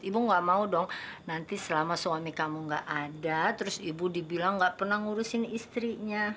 ibu gak mau dong nanti selama suami kamu gak ada terus ibu dibilang gak pernah ngurusin istrinya